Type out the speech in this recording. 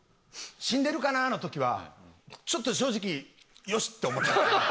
「死んでるかな？」の時はちょっと正直よし！って思ったんですけど。